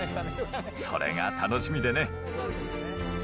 それが楽しみでね。